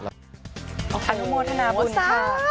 อนุโมทนาบุญ